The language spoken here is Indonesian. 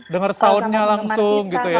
dengar soundnya langsung gitu ya